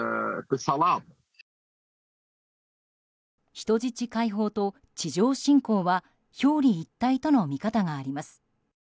人質解放と地上侵攻は表裏一体との見方があります。